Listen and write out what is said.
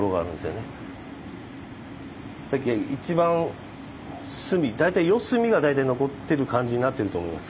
一番隅大体四隅が大体残ってる感じになってると思います